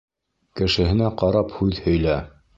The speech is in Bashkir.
Кешеһенә ҡарап һүҙ һөйлә.